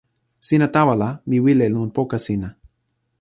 sina tawa la, mi wile lon poka sina.